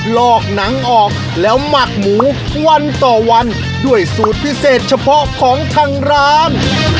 ลอกหนังออกแล้วหมักหมูวันต่อวันด้วยสูตรพิเศษเฉพาะของทางร้าน